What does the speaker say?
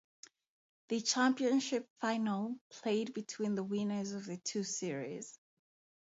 The Championship final played between the winners of the two series.